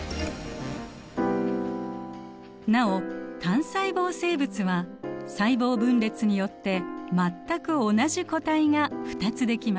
なお単細胞生物は細胞分裂によって全く同じ個体が２つできます。